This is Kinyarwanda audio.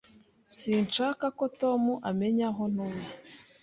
Sinshaka ko Tom amenya aho ntuye.